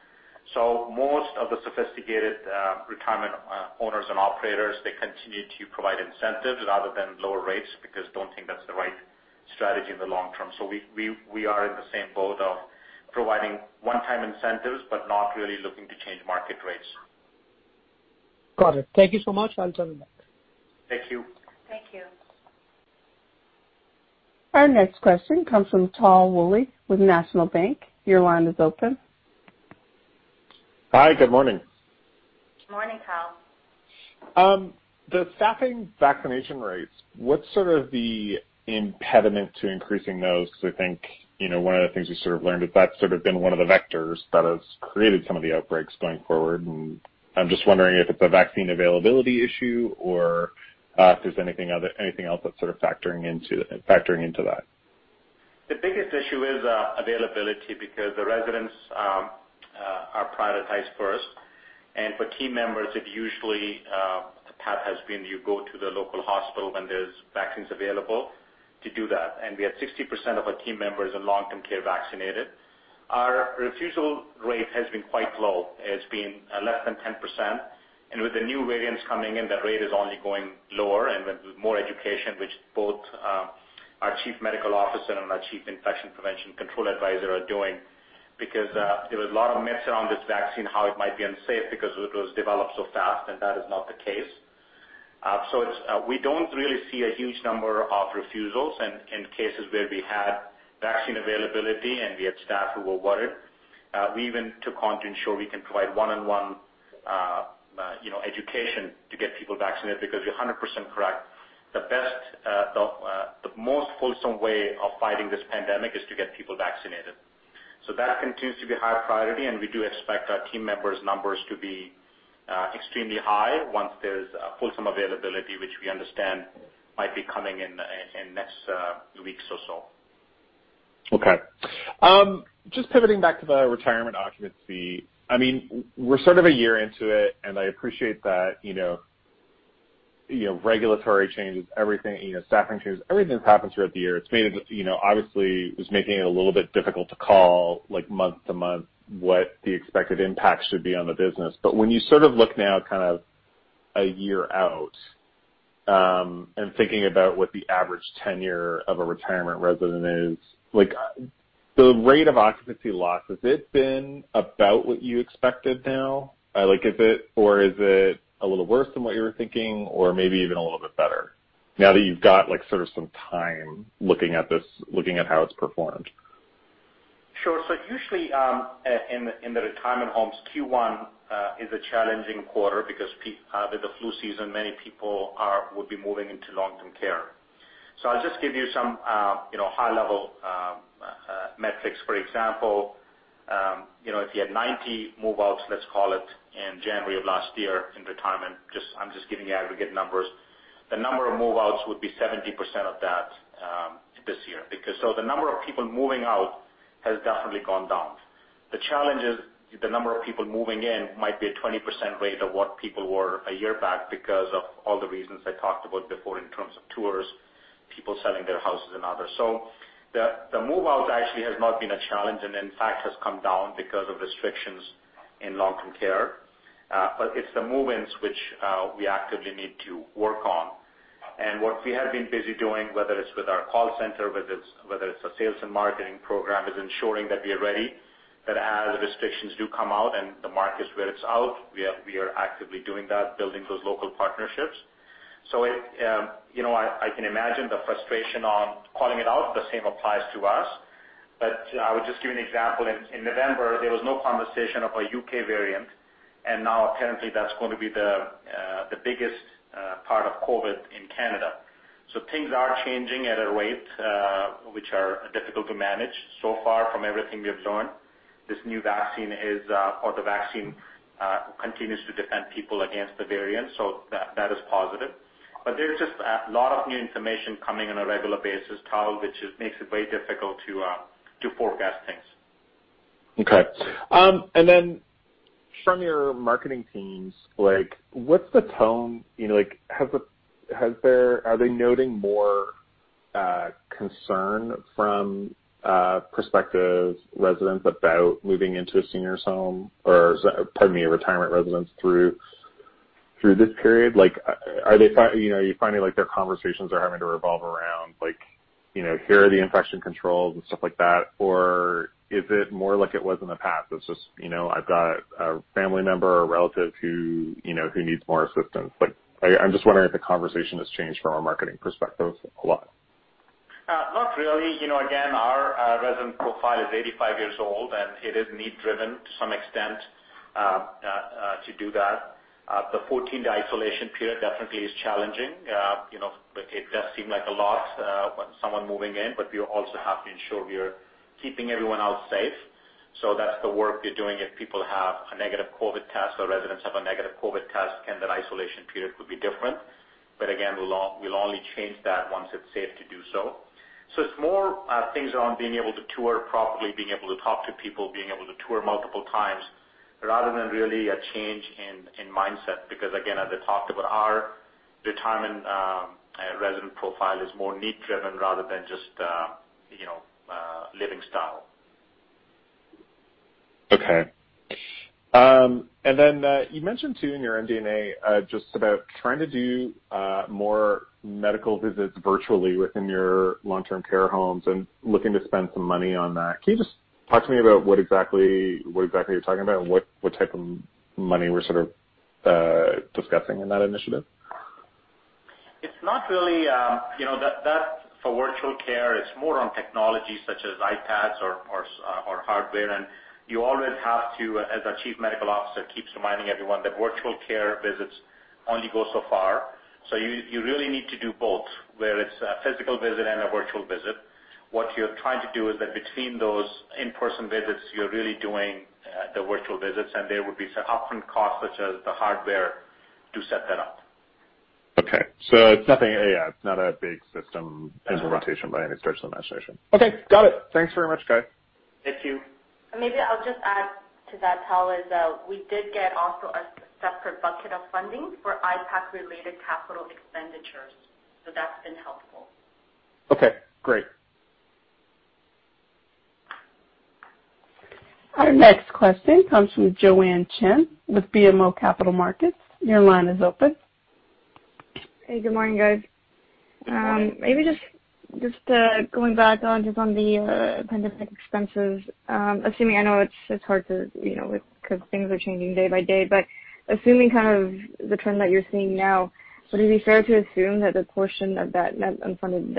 Most of the sophisticated retirement owners and operators, they continue to provide incentives rather than lower rates, because don't think that's the right strategy in the long term. We are in the same boat of providing one-time incentives, but not really looking to change market rates. Got it. Thank you so much. I'll turn it back. Thank you. Thank you. Our next question comes from Tal Woolley with National Bank. Your line is open. Hi. Good morning. Morning, Tal. The staffing vaccination rates, what's sort of the impediment to increasing those, because I think, one of the things we sort of learned is that's sort of been one of the vectors that has created some of the outbreaks going forward, and I'm just wondering if it's a vaccine availability issue or if there's anything else that's sort of factoring into that? The biggest issue is availability, because the residents are prioritized first, and for team members, it usually, the path has been you go to the local hospital when there's vaccines available to do that, and we have 60% of our team members in long-term care vaccinated. Our refusal rate has been quite low. It's been less than 10%. With the new variants coming in, that rate is only going lower, and with more education, which both our Chief Medical Officer and our Chief Infection Prevention and Control Advisor are doing. There was a lot of myths around this vaccine, how it might be unsafe because it was developed so fast, and that is not the case. We don't really see a huge number of refusals. In cases where we had vaccine availability and we had staff who were worried, we even took on to ensure we can provide one-on-one education to get people vaccinated, because you're 100% correct. The most fulsome way of fighting this pandemic is to get people vaccinated. That continues to be a high priority, and we do expect our team members numbers to be extremely high once there's fulsome availability, which we understand might be coming in next weeks or so. Okay. Just pivoting back to the retirement occupancy. I mean, we're sort of a year into it, and I appreciate that- regulatory changes, everything, staffing changes, everything that's happened throughout the year. Obviously, it's making it a little bit difficult to call, like month-to-month, what the expected impact should be on the business. When you sort of look now a year out, and thinking about what the average tenure of a retirement resident is- the rate of occupancy loss, has it been about what you expected now? Is it a little worse than what you were thinking or maybe even a little bit better, now that you've got some time looking at how it's performed? Sure. Usually, in the retirement homes, Q1 is a challenging quarter because with the flu season, many people would be moving into long-term care. I'll just give you some high-level metrics. For example, if you had 90 move-outs, let's call it, in January of last year in retirement, I'm just giving you aggregate numbers, the number of move-outs would be 70% of that this year. The number of people moving out has definitely gone down. The challenge is the number of people moving in might be a 20% rate of what people were a year back because of all the reasons I talked about before in terms of tours, people selling their houses, and others. The move-outs actually has not been a challenge, and in fact, has come down because of restrictions in long-term care. It's the move-ins which we actively need to work on. What we have been busy doing, whether it's with our call center, whether it's a sales and marketing program, is ensuring that we are ready, that as restrictions do come out and the markets where it's out, we are actively doing that, building those local partnerships. I can imagine the frustration on calling it out. The same applies to us. I would just give you an example- in November, there was no conversation of a U.K. variant, and now apparently that's going to be the biggest part of COVID-19 in Canada. Things are changing at a rate which are difficult to manage. So far, from everything we have learned, this new vaccine, or the vaccine, continues to defend people against the variants, so that is positive. There is just a lot of new information coming on a regular basis, Tal, which makes it very difficult to forecast things. Okay. From your marketing teams, what's the tone? Are they noting more concern from prospective residents about moving into a retirement residence through this period? Are you finding their conversations are having to revolve around, "Here are the infection controls," and stuff like that? Is it more like it was in the past- it's just, I've got a family member or relative who needs more assistance. I'm just wondering if the conversation has changed from a marketing perspective a lot. Not really. Again, our resident profile is 85 years old, and it is need driven to some extent to do that. The 14-day isolation period definitely is challenging. It does seem like a lot when someone moving in, but we also have to ensure we are keeping everyone else safe. That's the work we are doing. If people have a negative COVID test or residents have a negative COVID test, then their isolation period would be different. Again, we'll only change that once it's safe to do so. It's more things around being able to tour properly, being able to talk to people, being able to tour multiple times, rather than really a change in mindset. Because again, as I talked about, our retirement resident profile is more need driven rather than just living style. Okay. You mentioned, too, in your MD&A, just about trying to do more medical visits virtually within your long-term care homes and looking to spend some money on that. Can you just talk to me about what exactly you're talking about and what type of money we're sort of discussing in that initiative? That's for virtual care. It's more on technology such as iPads or hardware. You always have to, as our chief medical officer keeps reminding everyone, that virtual care visits only go so far. You really need to do both, where it's a physical visit and a virtual visit. What you're trying to do is that between those in-person visits, you're really doing the virtual visits, and there would be some upfront costs, such as the hardware to set that up. Okay. It's not a big system implementation by any stretch of the imagination. Okay. Got it. Thanks very much, guys. Thank you. Maybe I'll just add to that, Tal, is we did get also a separate bucket of funding for IPAC related capital expenditures, so that's been helpful. Okay, great. Our next question comes from Joanne Chen with BMO Capital Markets. Your line is open. Hey, good morning, guys. Good morning. Maybe just going back onto some of the pandemic expenses. I know it's hard because things are changing day by day, assuming the trend that you're seeing now, would it be fair to assume that the portion of that net unfunded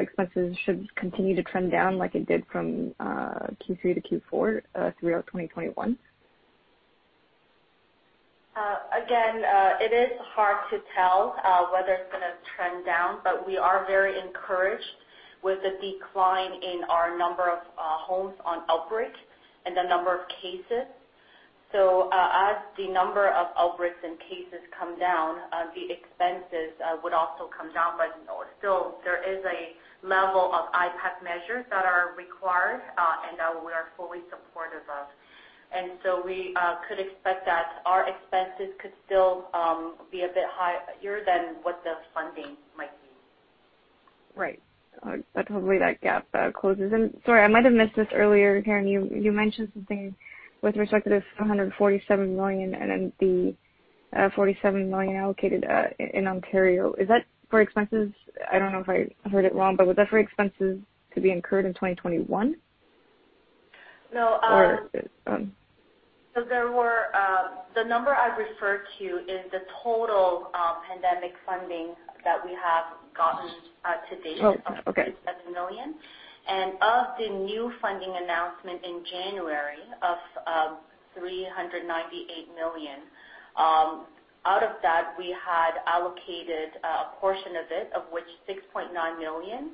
expenses should continue to trend down like it did from Q3 to Q4 throughout 2021? It is hard to tell whether it's going to trend down, but we are very encouraged with the decline in our number of homes on outbreak and the number of cases. As the number of outbreaks and cases come down, the expenses would also come down. Still, there is a level of IPAC measures that are required, and that we are fully supportive of. We could expect that our expenses could still be a bit higher than what the funding might be. Right. Hopefully that gap closes. Sorry, I might have missed this earlier, Karen- you mentioned something with respect to the 147 million and then the 47 million allocated in Ontario. Is that for expenses? I don't know if I heard it wrong, but was that for expenses to be incurred in 2021? No... Or... The number I referred to is the total pandemic funding that we have gotten to date. Oh, okay. of. [inaudible] Of the new funding announcement in January of 398 million- out of that, we had allocated a portion of it, of which 6.9 million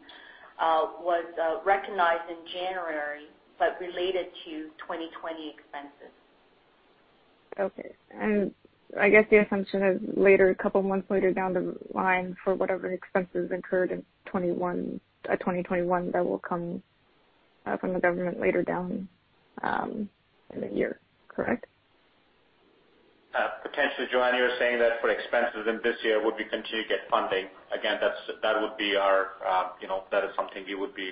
was recognized in January but related to 2020 expenses. Okay. I guess the assumption is a couple of months later down the line for whatever expenses incurred in 2021, that will come from the government later down in the year, correct? Potentially, Joanne, you're saying that for expenses in this year, would we continue to get funding? Again, that is something we would be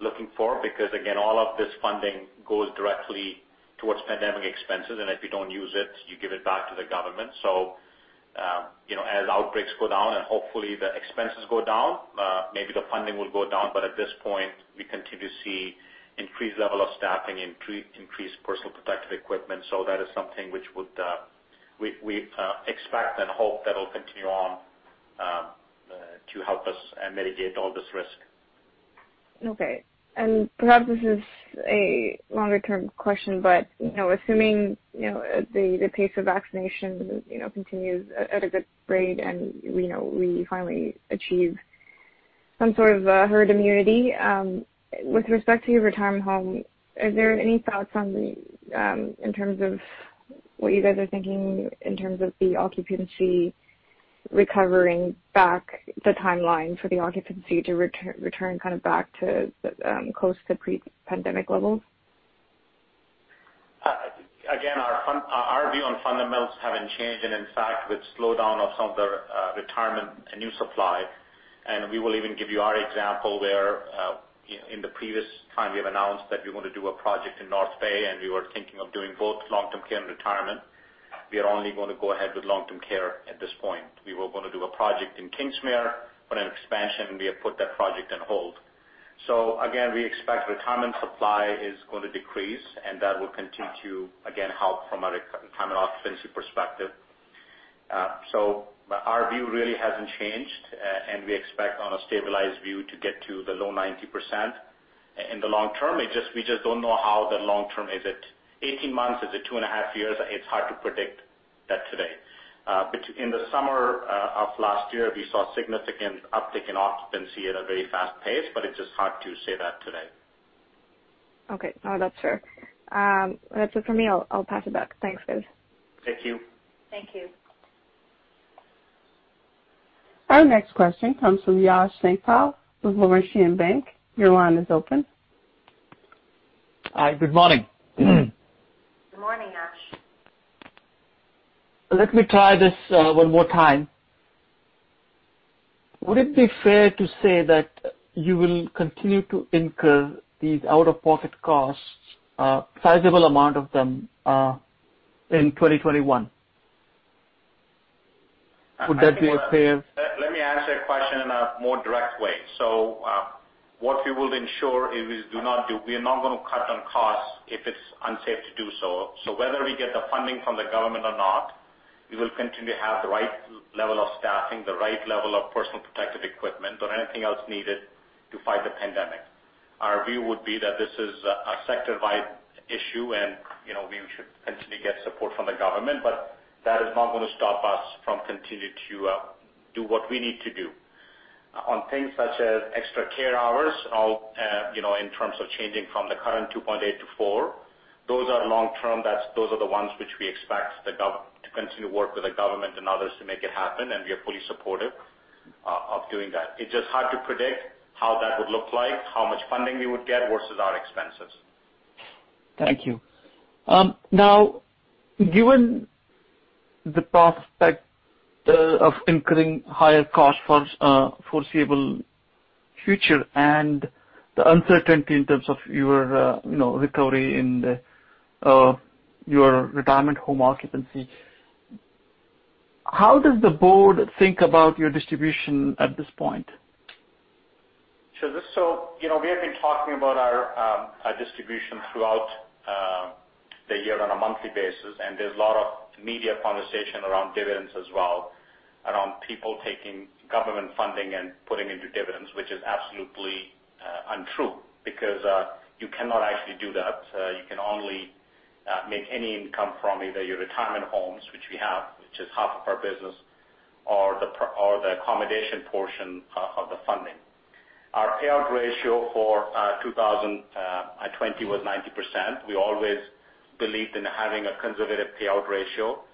looking for, because again, all of this funding goes directly towards pandemic expenses, and if you don't use it, you give it back to the government. As outbreaks go down and hopefully the expenses go down, maybe the funding will go down. At this point, we continue to see increased level of staffing, increased personal protective equipment. That is something which we expect and hope that will continue on to help us mitigate all this risk. Okay. Perhaps this is a longer term question, but assuming the pace of vaccination continues at a good rate and we finally achieve some sort of a herd immunity, with respect to your retirement home, are there any thoughts in terms of what you guys are thinking in terms of the occupancy recovering back, the timeline for the occupancy to return back close to pre-pandemic levels? Our view on fundamentals haven't changed. In fact, with slowdown of some of the retirement new supply, we will even give you our example where in the previous time we have announced that we're going to do a project in North Bay, and we were thinking of doing both long-term care and retirement. We are only going to go ahead with long-term care at this point. We were going to do a project in Kingsmere, put an expansion, we have put that project on hold. Again, we expect retirement supply is going to decrease, that will continue to, again, help from a retirement occupancy perspective. Our view really hasn't changed. We expect on a stabilized view to get to the low 90% in the long term. We just don't know how the long term, is it 18 months? Is it two and a half years? It's hard to predict that today. In the summer of last year, we saw significant uptick in occupancy at a very fast pace, it's just hard to say that today. Okay. No, that's fair. That's it for me. I'll pass it back. Thanks, guys. Thank you. Thank you. Our next question comes from Yash Sankpal with Laurentian Bank. Your line is open. Hi. Good morning. Good morning, Yash. Let me try this one more time. Would it be fair to say that you will continue to incur these out-of-pocket costs, a sizable amount of them, in 2021? Would that be fair... What we will ensure is we are not going to cut on costs if it's unsafe to do so. Whether we get the funding from the government or not, we will continue to have the right level of staffing, the right level of personal protective equipment or anything else needed to fight the pandemic. Our view would be that this is a sector-wide issue, and we should continue to get support from the government, but that is not going to stop us from continuing to do what we need to do. On things such as extra care hours, in terms of changing from the current 2.8 to 4, those are long term. Those are the ones which we expect to continue to work with the government and others to make it happen, and we are fully supportive of doing that. It's just hard to predict how that would look like, how much funding we would get versus our expenses. Thank you. Given the prospect of incurring higher costs for foreseeable future and the uncertainty in terms of your recovery in your retirement home occupancy, how does the board think about your distribution at this point? We have been talking about our distribution throughout the year on a monthly basis, and there's a lot of media conversation around dividends as well, around people taking government funding and putting into dividends, which is absolutely untrue because, you cannot actually do that. You can only make any income from either your retirement homes- which we have, which is half of our business, or the accommodation portion of the funding. Our payout ratio for 2020 was 90%. We always believed in having a conservative payout ratio.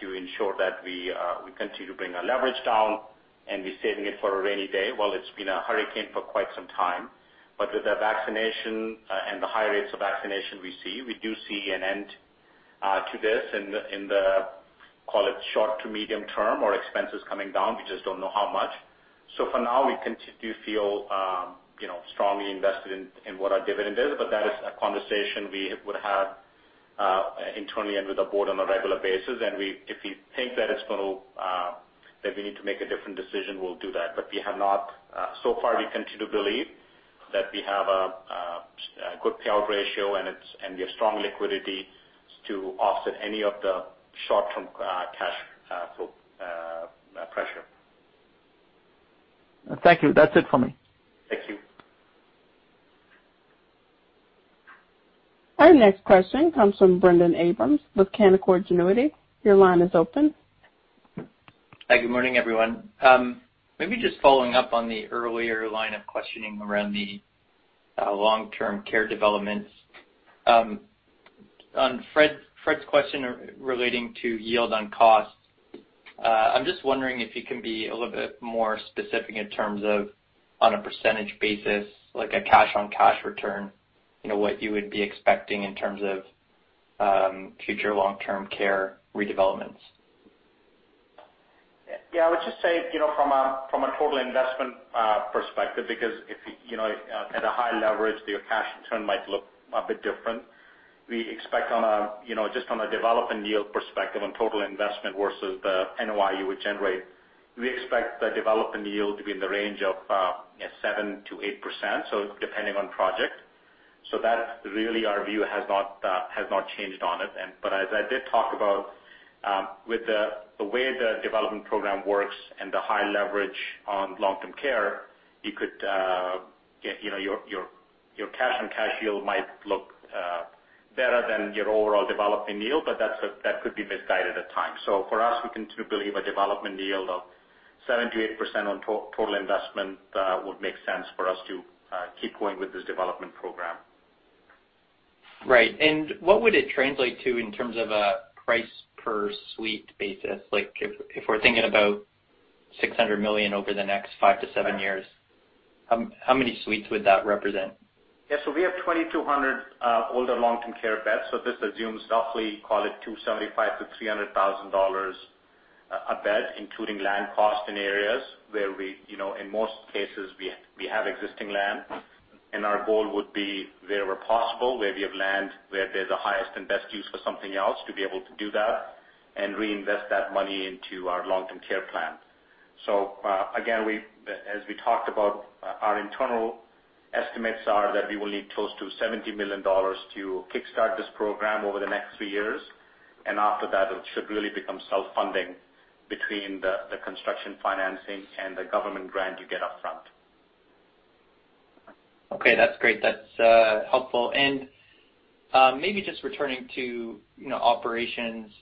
To ensure that we continue to bring our leverage down and be saving it for a rainy day. Well, it's been a hurricane for quite some time. With the vaccination and the high rates of vaccination we see, we do see an end to this in the, call it short to medium term, our expenses coming down, we just don't know how much. For now, we continue to feel strongly invested in what our dividend is, but that is a conversation we would have internally and with the board on a regular basis. If we think that we need to make a different decision, we'll do that. So far, we continue to believe that we have a good payout ratio, and we have strong liquidity to offset any of the short-term cash flow pressure. Thank you. That's it for me. Thank you. Our next question comes from Brendon Abrams with Canaccord Genuity. Your line is open. Hi, good morning, everyone. Maybe just following up on the earlier line of questioning around the long-term care developments. On Fred's question relating to yield on cost, I'm just wondering if you can be a little bit more specific in terms of, on a percentage basis, like a cash-on-cash return, what you would be expecting in terms of future long-term care redevelopments. Yeah. I would just say, from a total investment perspective, because at a high leverage, your cash return might look a bit different- just on a development yield perspective, on total investment versus the NOI you would generate, we expect the development yield to be in the range of 7%-8%, depending on project. That, really, our view has not changed on it. As I did talk about, with the way the development program works and the high leverage on long-term care, your cash-on-cash yield might look better than your overall development yield, but that could be misguided at times. For us, we continue to believe a development yield of 7%-8% on total investment would make sense for us to keep going with this development program. Right. What would it translate to in terms of a price per suite basis? If we're thinking about 600 million over the next five to seven years, how many suites would that represent? Yeah. We have 2,200 older long-term care beds. This assumes roughly, call it 275,000 to 300,000 dollars a bed, including land cost in areas where, in most cases, we have existing land. Our goal would be, wherever possible, where we have land where there's a highest and best use for something else, to be able to do that and reinvest that money into our long-term care plan. Again, as we talked about, our internal estimates are that we will need close to 70 million dollars to kickstart this program over the next three years. After that, it should really become self-funding between the construction financing and the government grant you get upfront. Okay, that's great. That's helpful. Maybe just returning to operations.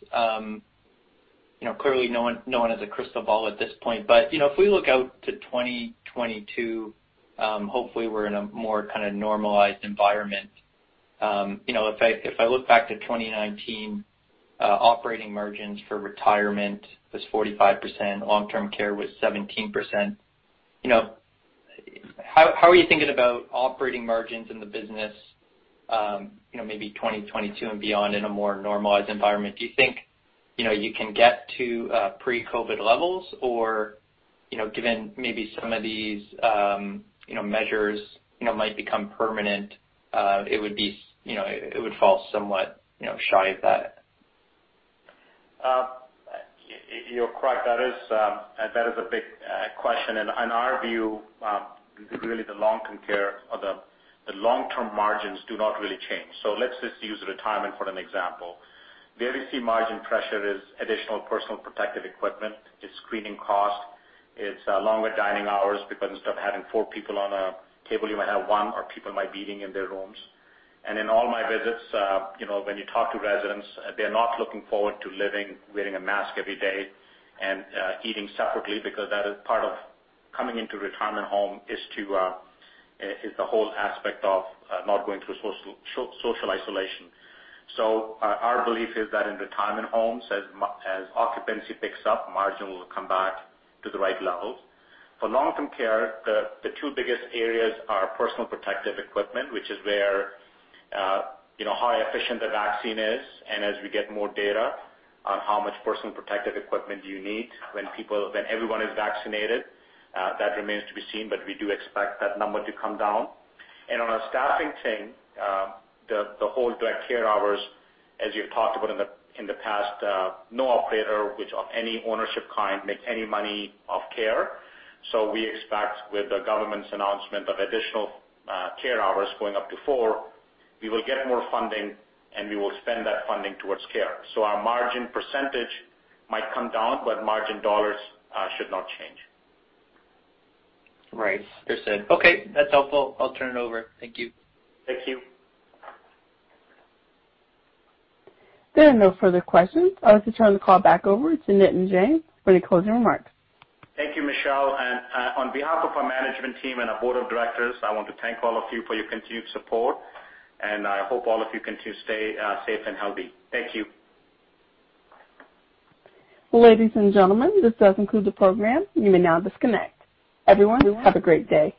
Clearly, no one has a crystal ball at this point, but if we look out to 2022, hopefully, we're in a more kind of normalized environment. If I look back to 2019, operating margins for retirement was 45%, long-term care was 17%. How are you thinking about operating margins in the business, maybe 2022 and beyond, in a more normalized environment? Do you think you can get to pre-COVID levels? Given maybe some of these measures might become permanent, it would fall somewhat shy of that? You're correct. That is a big question. On our view, really, the long-term margins do not really change. Let's just use retirement for an example. Where we see margin pressure is additional personal protective equipment. It's screening cost. It's longer dining hours because instead of having four people on a table, you might have one, or people might be eating in their rooms. In all my visits, when you talk to residents, they're not looking forward to living wearing a mask every day and eating separately, because that is part of coming into retirement home, is the whole aspect of not going through social isolation. Our belief is that in retirement homes, as occupancy picks up, margin will come back to the right levels. For long-term care, the two biggest areas are personal protective equipment, which is where how efficient the vaccine is, and as we get more data on how much personal protective equipment do you need when everyone is vaccinated. That remains to be seen, but we do expect that number to come down. On a staffing thing, the whole direct care hours, as you've talked about in the past, no operator of any ownership kind make any money off care. We expect with the government's announcement of additional care hours going up to four, we will get more funding, and we will spend that funding towards care. Our margin percentage might come down, but margin dollars should not change. Right. Understood. Okay. That's helpful. I'll turn it over. Thank you. Thank you. There are no further questions. I'll just turn the call back over to Nitin Jain for any closing remarks. Thank you, Michelle. On behalf of our Management Team and our Board of Directors, I want to thank all of you for your continued support, and I hope all of you continue to stay safe and healthy. Thank you. Ladies and gentlemen, this does conclude the program. You may now disconnect. Everyone, have a great day.